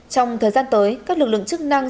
trong thời gian tới các lực lượng chức năng